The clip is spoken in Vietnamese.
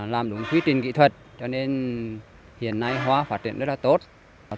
làm đúng khuyến trình kỹ thuật cho nên hiện nay hoa phát triển rất tốt